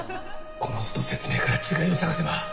この図と説明から違いを探せば！